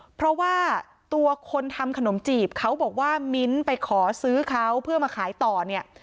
เพราะว่าตัวคนทำขนมจีบเขาบอกว่ามิ้นไปขอซื้อเขาเพื่อมาขายต่อเนี่ย